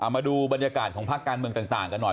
มาดูบรรยากาศของภาคการเมืองต่างกันหน่อย